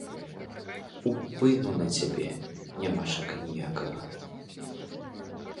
Упыну на цябе нямашака ніякага.